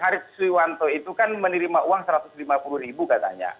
arief suiwanto itu kan menerima uang satu ratus lima puluh ribu katanya